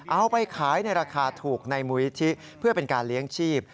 เอาไปขายในราคาถูกในมูลนิธิเพื่อเป็นการเลี้ยงชีพ